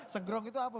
senggrong itu apa bu